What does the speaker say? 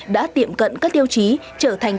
đã tiệm cận các tiêu chí trở thành